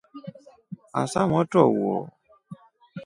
Asa motro wo.